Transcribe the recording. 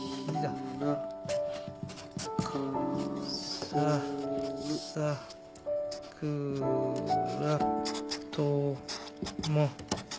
ささくらともる。